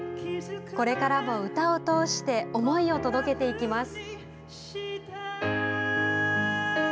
これからも歌を通して思いを届けていきます。